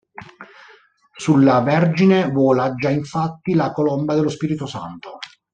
Sulla Vergine vola già infatti la colomba dello Spirito Santo.